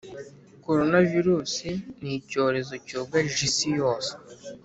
korona virusi n’icyorezo cyugarije isi yose